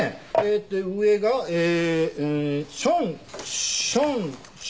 で上がえーションションション。